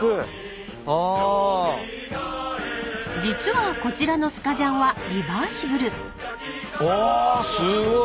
［実はこちらのスカジャンはリバーシブル］おすごい。